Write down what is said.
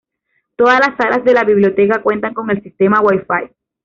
Todas las salas de la biblioteca cuentan con el sistema Wi-Fi.